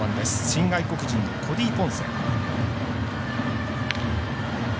新外国人のコディ・ポンセ。